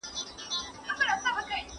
¬ د لښکر په شا کي ځه، په سر کې راځه.